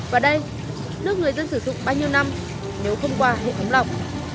và đây nước người dân sử dụng bao nhiêu năm nếu thông qua hệ thống lọc